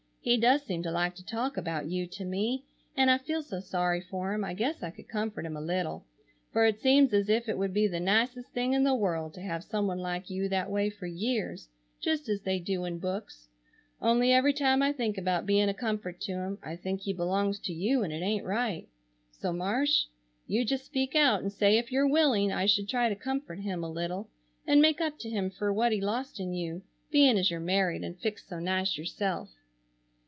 He does seem to like to talk about you to me, and I feel so sorry for him I guess I could comfort him a little, for it seems as if it would be the nicest thing in the world to have some one like you that way for years, just as they do in books, only every time I think about being a comfort to him I think he belongs to you and it ain't right. So Marsh, you just speak out and say if your willing I should try to comfort him a little and make up to him fer what he lost in you, being as you're married and fixed so nice yourself.